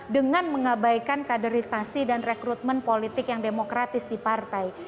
dengan mengabaikan kaderisasi dan rekrutmen politik yang demokratis di partai